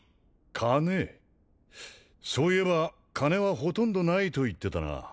金そういえば金はほとんどないと言ってたな